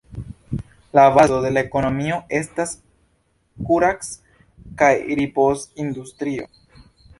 La bazo de la ekonomio estas kurac- kaj ripoz-industrio.